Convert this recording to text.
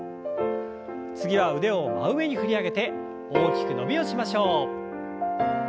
次は腕を真上に振り上げて大きく伸びをしましょう。